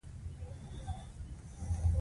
رښتیني خبرې زړونه نږدې کوي.